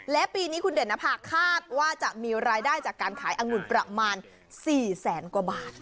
และปีนี้คุณเด่นนภาคาดว่าจะมีรายได้จากการขายอังุ่นประมาณ๔แสนกว่าบาท